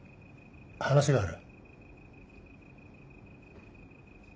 ・話がある。